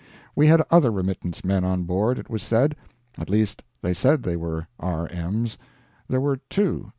We had other remittance men on board, it was said. At least they said they were R. M.'s. There were two.